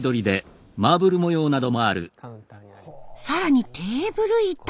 更にテーブル板。